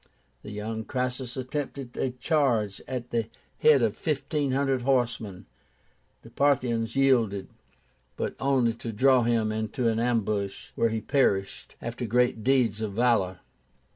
The young Crassus attempted a charge at the head of fifteen hundred horsemen. The Parthians yielded, but only to draw him into an ambush, where he perished, after great deeds of valor.